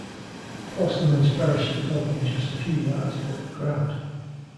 Clostermann's parachute opened just a few yards above the ground.